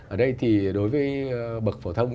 ở đây thì đối với bậc phổ thông